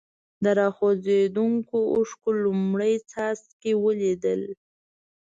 د را خوځېدونکو اوښکو لومړني څاڅکي ولیدل.